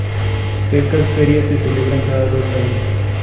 Estas ferias se celebran cada dos años.